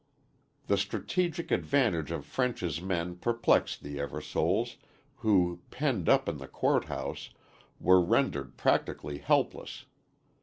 The strategic advantage of French's men perplexed the Eversoles, who, penned up in the court house, were rendered practically helpless.